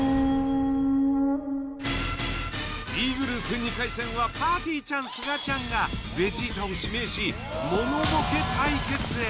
Ｂグループ２回戦はぱーてぃーちゃんすがちゃんがベジータを指名し「モノボケ」対決へ。